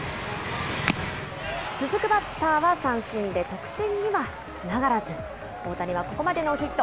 続くバッターは三振で得点にはつながらず、大谷はここまでノーヒット。